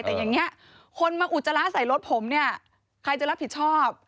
แต่อย่างนี้คนมาอุจจาระใส่รถผมเนี่ยใครจะรับผิดชอบ